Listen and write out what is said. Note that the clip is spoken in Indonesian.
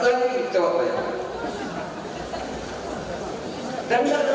dan yang terhadapnya pun lain